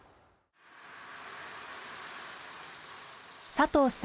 佐藤さん